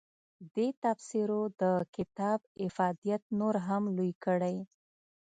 دې تبصرو د کتاب افادیت نور هم لوی کړی.